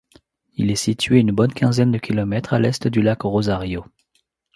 Il est situé une bonne quinzaine de kilomètres à l'est du lac Rosario.